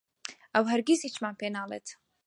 ئەو هەرگیز هیچمان پێ ناڵێت.